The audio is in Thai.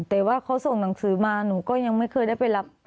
แต่ว่าเขาส่งหนังสือมาหนูก็ยังไม่เคยได้ไปรับ